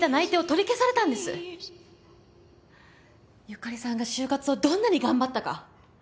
由加里さんが就活をどんなに頑張ったか！